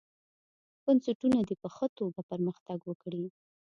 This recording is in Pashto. بنسټونه دې په ښه توګه پرمختګ وکړي.